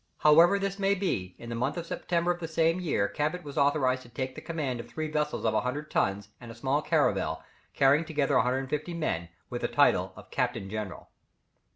However this may be, in the month of September of the same year Cabot was authorized to take the command of three vessels of 100 tons, and a small caravel, carrying together 150 men, with the title of captain general.